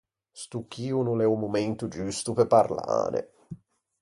Sto chì o no l’é o momento giusto pe parlâne.